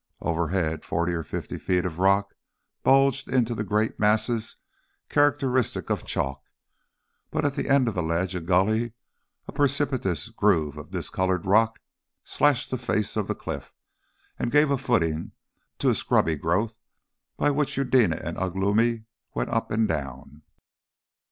Overhead, forty or fifty feet of rock bulged into the great masses characteristic of chalk, but at the end of the ledge a gully, a precipitous groove of discoloured rock, slashed the face of the cliff, and gave a footing to a scrubby growth, by which Eudena and Ugh lomi went up and down.